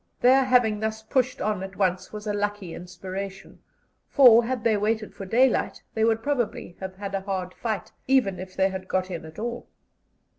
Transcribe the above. Their having thus pushed on at once was a lucky inspiration, for, had they waited for daylight, they would probably have had a hard fight, even if they had got in at all.